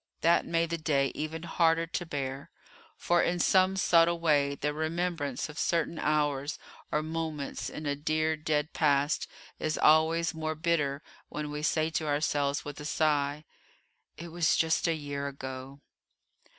That made the day even harder to bear; for in some subtle way the remembrance of certain hours or moments in a dear dead past is always more bitter when we say to ourselves with a sigh, "It was just a year ago."